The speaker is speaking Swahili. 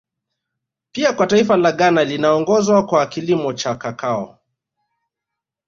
Pia kwa taifa la Ghana linaongoza kwa kilimo cha Kakao